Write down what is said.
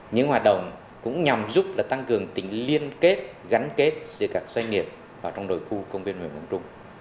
những hoạt động cũng nhằm giúp tăng cường tình liên kết gắn kết giữa các doanh nghiệp và trong nội khu công viên huyện quang trung